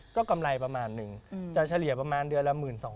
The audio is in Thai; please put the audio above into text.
ก็กำไรประมาณหนึ่งจะเฉลี่ยประมาณเดือนละ๑๒๐๐